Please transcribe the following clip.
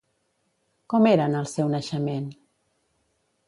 Com era en el seu naixement?